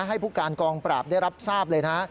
ให้ผู้การกองปราบได้รับทราบเลยนะ